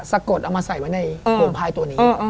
สะกดเอามาใส่ไว้ในโรงพายตัวนี้